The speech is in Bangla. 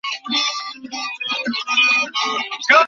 হুম, বেশ, মানুষ জটিল প্রাণী।